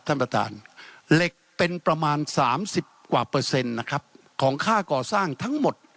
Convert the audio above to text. ท่านประธานเหล็กเป็นประมาณ๓๐กว่าเปอร์เซ็นต์นะครับของค่าก่อสร้างทั้งหมด